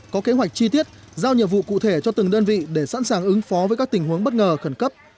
có kế hoạch chi tiết giao nhiệm vụ cụ thể cho từng đơn vị để sẵn sàng ứng phó với các tình huống bất ngờ khẩn cấp